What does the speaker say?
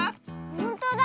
ほんとだ！